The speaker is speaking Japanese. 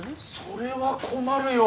それは困るよ！